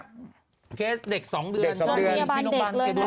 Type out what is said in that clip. เคสเด็กสองเดือนเด็กสองเดือนโรงพยาบาลเด็กเลย